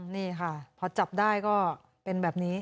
นี่ค่ะพอจับได้ก็เป็นแบบนี้